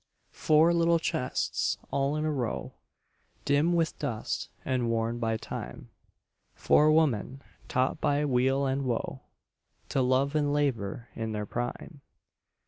Four little chests all in a row, Dim with dust, and worn by time, Four women, taught by weal and woe To love and labor in their prime.